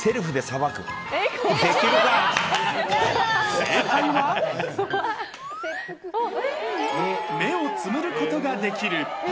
正解は目をつむることができる。